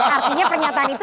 artinya pernyataan itu